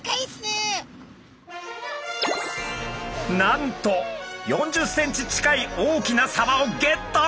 なんと４０センチ近い大きなサバをゲット。